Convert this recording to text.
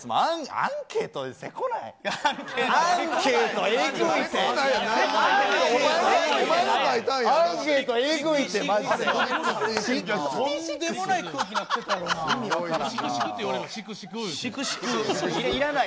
アンケート、せこない？